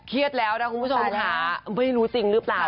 แล้วนะคุณผู้ชมค่ะไม่รู้จริงหรือเปล่า